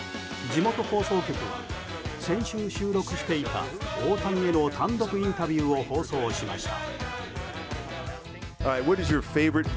地元放送局が先週収録していた大谷の単独インタビューを放送しました。